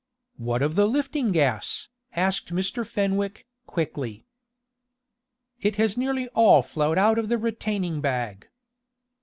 "What of the lifting gas?" asked Mr. Fenwick, quickly. "It has nearly all flowed out of the retaining bag."